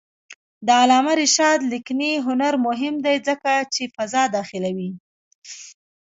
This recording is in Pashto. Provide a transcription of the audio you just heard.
د علامه رشاد لیکنی هنر مهم دی ځکه چې فضا داخلوي.